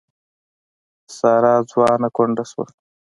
ساره ځوانه کونډه شوه.